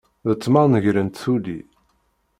D ṭṭman gren-tt tuli.